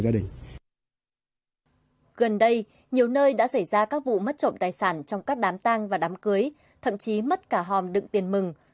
gần đây nhiều nơi đã xảy ra các vụ mất trộm tài sản trong các đám tang và đám cưới thậm chí mất cả hòm đựng tiền mừng